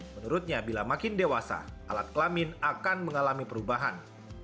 menurutnya bila makin dewasa alat kelamin akan mengalami perubahan